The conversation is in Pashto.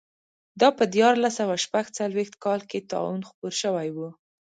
دا په دیارلس سوه شپږ څلوېښت کال کې طاعون خپور شوی و.